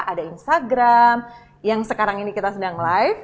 ada instagram yang sekarang ini kita sedang live